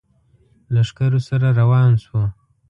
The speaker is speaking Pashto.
لښکرو سره روان شو.